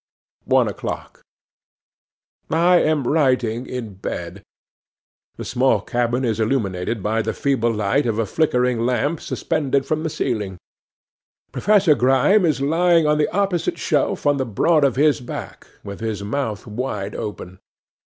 'One o'clock. 'I AM writing in bed. The small cabin is illuminated by the feeble light of a flickering lamp suspended from the ceiling; Professor Grime is lying on the opposite shelf on the broad of his back, with his mouth wide open.